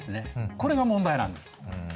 これが問題なんです。